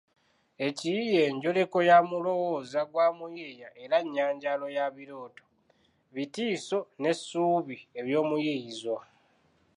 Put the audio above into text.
Ekiyiiye njoleko ya mulowooza gwa muyiiya era nnyanjalo ya birooto, bitiiso n’essuubi eby’omuyiiyizwa